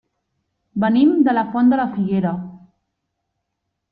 Venim de la Font de la Figuera.